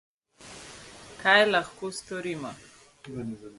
Kaj lahko storimo?